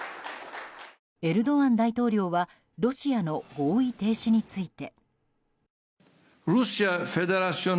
エルドアン大統領はロシアの合意停止について。